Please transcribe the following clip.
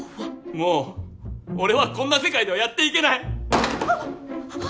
もう俺はこんな世界ではやっていけないあっああ